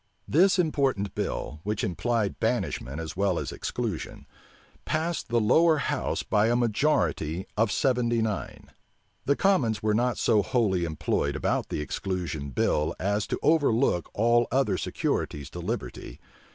This important bill, which implied banishment as well as exclusion, passed the lower house by a majority of seventy nine. The commons were not so wholly employed about the exclusion bill as to overlook all other securities to liberty.